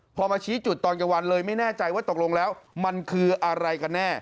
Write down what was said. พอมาชี้จุดตอนกลางวันเลยไม่แน่ใจว่าตกลงแล้วมันคืออะไรกันแน่